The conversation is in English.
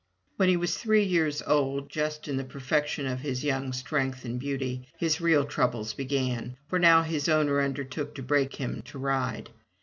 When he was three years of age, just in the perfection of his young strength and beauty, his real troubles began, for now his owner undertook to break him to ride.